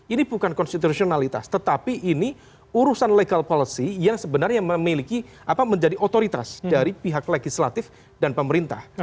ini bukan konstitusionalitas tetapi ini urusan legal policy yang sebenarnya memiliki apa menjadi otoritas dari pihak legislatif dan pemerintah